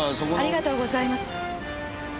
ありがとうございます。